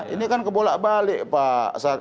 ini kan kebolak balik pak